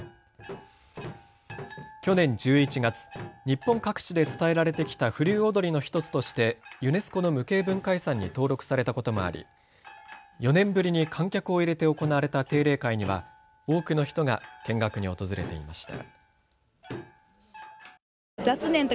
去年１１月、日本各地で伝えられてきた風流踊の１つとしてユネスコの無形文化遺産に登録されたこともあり４年ぶりに観客を入れて行われた定例会には多くの人が見学に訪れていました。